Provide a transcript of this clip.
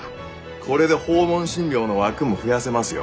これで訪問診療の枠も増やせますよ。